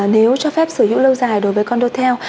nếu cho phép sử dụng lâu dài đối với condotel